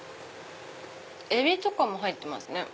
エビとかも入ってますね。